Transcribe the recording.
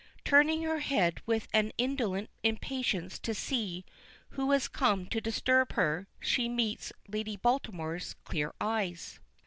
Turning her head with an indolent impatience to see who has come to disturb her, she meets Lady Baltimore's clear eyes.